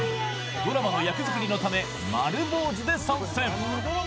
ドラマの役づくりのため丸坊主で参戦。